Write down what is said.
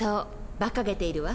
ばかげているわ。